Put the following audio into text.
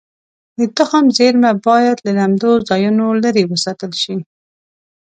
د تخم زېرمه باید له لمدو ځایونو لرې وساتل شي.